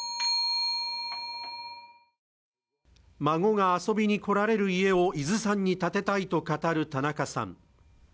孫が遊びに来られる家を伊豆山に建てたいと語る田中さん。